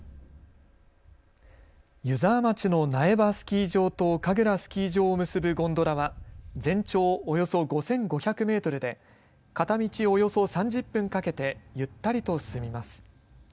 湯沢町の苗場スキー場とかぐらスキー場を結ぶゴンドラは全長およそ５５００メートルで片道およそ３０分かけてゆったりと進みます。